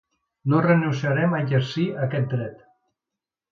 No renunciarem a exercir aquest dret.